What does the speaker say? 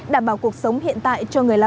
đảm bảo cuộc sống hiện tại